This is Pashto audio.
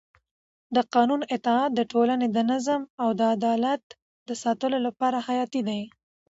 د قانون اطاعت د ټولنې د نظم او عدالت د ساتلو لپاره حیاتي دی